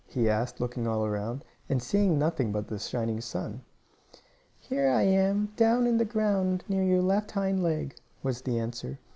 he asked, looking all around, and seeing nothing but the shining sun. "Here I am, down in the ground near your left hind leg," was the answer.